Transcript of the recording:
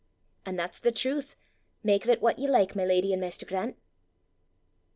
"An' that's the trowth, mak o' 't what ye like, my leddy an' maister Grant!"